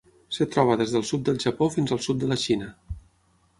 Es troba des del sud del Japó fins al sud de la Xina.